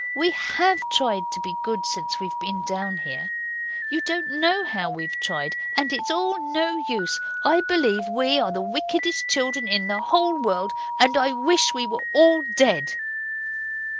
We HAVE tried to be good since we've been down here. You don't know how we've tried! And it's all no use. I believe we are the wickedest children in the whole world, and I wish we were all dead!